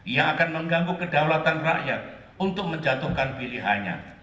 yang akan mengganggu kedaulatan rakyat untuk menjatuhkan pilihannya